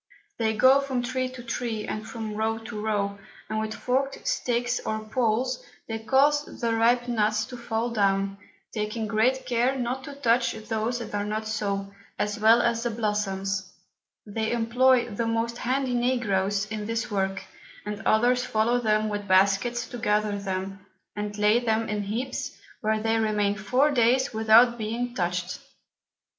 They go from Tree to Tree, and from Row to Row, and with forked Sticks or Poles, they cause the ripe Nuts to fall down, taking great care not to touch those that are not so, as well as the Blossoms: They employ the most handy Negroes in this Work, and others follow them with Baskets to gather them, and lay them in Heaps, where they remain four Days without being touch'd.